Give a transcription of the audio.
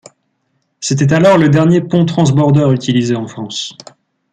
C'était alors le dernier pont-transbordeur utilisé en France.